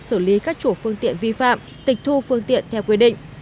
xử lý các chủ phương tiện vi phạm tịch thu phương tiện theo quy định